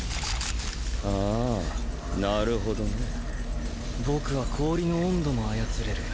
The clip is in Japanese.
あなるほどね。僕は氷の温度も操れる。